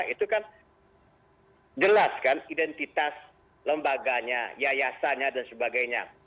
itu kan jelas kan identitas lembaganya yayasannya dan sebagainya